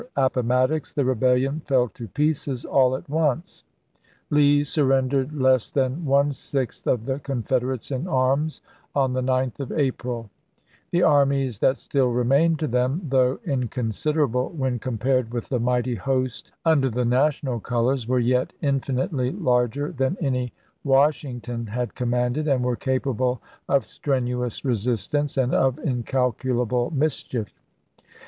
Appomattox, the rebellion fell to pieces all at once, Lee surrendered less than one sixth of the Confed erates in arms on the 9th of April ; the armies that still remained to them, though inconsiderable when compared with the mighty host under the national colors, were yet infinitely larger than any Washing ton had commanded, and were capable of strenuous resistance and of incalculable mischief.